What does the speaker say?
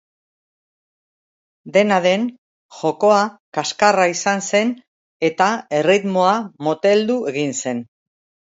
Dena den, jokoa kaskarra izan zen eta erritmoa moteldu egin zen.